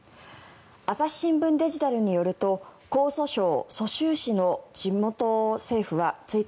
朝日新聞デジタルによると江蘇省蘇州市の地元政府は１日